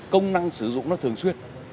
công năng sử dụng nó thường xuyên